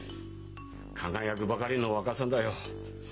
輝くばかりの若さだよ。